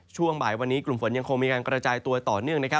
ช่วงบ่ายวันนี้กลุ่มฝนยังคงมีการกระจายตัวต่อเนื่อง